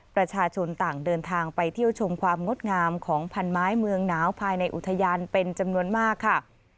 ประชาชนต่างเดินทางไปเที่ยวชมความงดงามของพันไม้เมืองหนาวภายในอุทยานเป็นจำนวนมากค่ะ